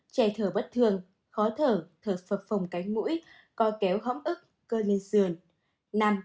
bốn trẻ thở bất thường khó thở thở phật phồng cánh mũi co kéo hõm ức cơn lên sườn